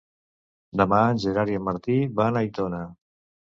Demà en Gerard i en Martí van a Aitona.